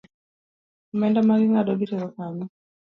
Omenda maging’ado gitero kanye?